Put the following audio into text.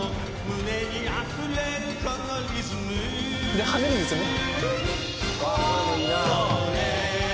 「で跳ねるんですよね」